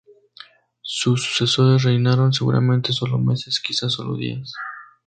Sus sucesores reinaron seguramente sólo meses, quizás sólo días.